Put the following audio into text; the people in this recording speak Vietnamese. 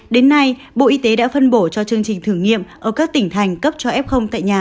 đến nay bộ y tế đã phân bổ cho chương trình thử nghiệm ở các tỉnh thành cấp cho f tại nhà